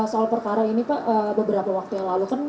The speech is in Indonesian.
soal perkara ini beberapa waktu yang lalu